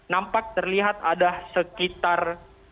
nampak terlihat ada sekitar